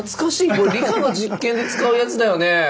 これ理科の実験で使うやつだよね。